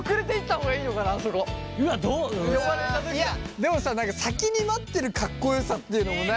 でもさ何か先に待ってるかっこよさっていうのもない？